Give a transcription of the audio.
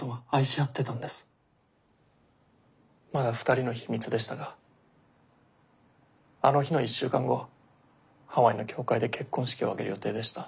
まだ２人の秘密でしたがあの日の１週間後ハワイの教会で結婚式を挙げる予定でした。